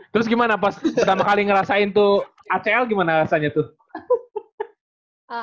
terus gimana pas pertama kali ngerasain tuh acl gimana rasanya tuh